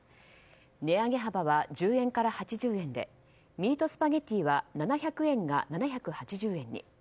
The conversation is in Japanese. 値上げ幅は１０円から８０円でミートスパゲティは７００円が７８０円に。